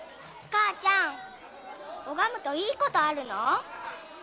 母ちゃん拝むとなにかいい事あるの？